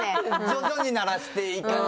徐々に慣らしていかないと。